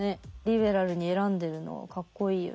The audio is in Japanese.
リベラルに選んでるのかっこいいよね。